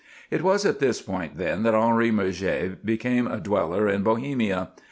It was at this point, then, that Henri Murger became a dweller in Bohemia.